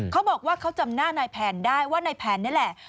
เขาบอกว่าเขาจำหน้านายแผนได้ว่านายแผนนี่แหละ